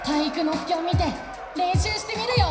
介を見てれんしゅうしてみるよ！